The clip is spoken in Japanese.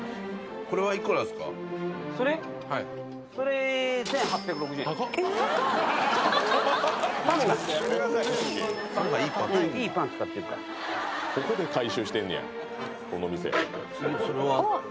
「ここで回収してんねやこの店」